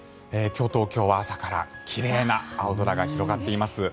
今日、東京は朝から奇麗な青空が広がっています。